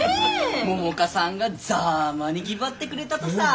百花さんがざぁまにぎばってくれたとさぁ！